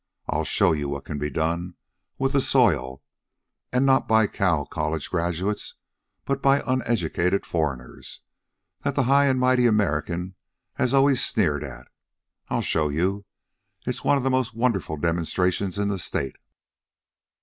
"I'll show you what can be done with the soil and not by cow college graduates but by uneducated foreigners that the high and mighty American has always sneered at. I'll show you. It's one of the most wonderful demonstrations in the state."